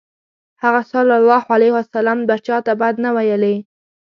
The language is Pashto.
هغه ﷺ به چاته بد نه ویلی.